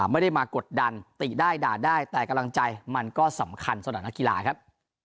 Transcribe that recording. ไม่ได้มากดดันติได้ด่าได้แต่กำลังใจมันก็สำคัญสำหรับนักกีฬาครับ